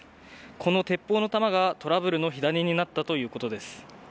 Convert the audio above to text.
この鉄砲の弾がトラブルの火種になったということです。